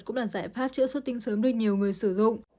cũng là giải pháp chữa xuất tinh sớm được nhiều người sử dụng